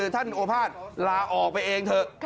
ท่านโอภาษลาออกไปเองเถอะ